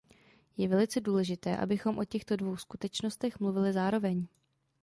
Je velice důležité, abychom o těchto dvou skutečnostech mluvili zároveň.